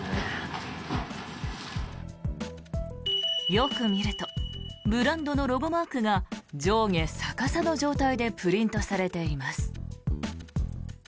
よく見るとブランドのロゴマークが上下逆さの状態でプリントされています。